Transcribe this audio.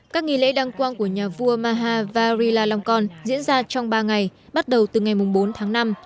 các nghị lễ đăng quang của nhà vua maha vajiralongkorn diễn ra trong ba ngày bắt đầu từ ngày bốn tháng năm